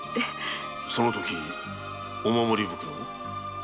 そのときお守り袋を？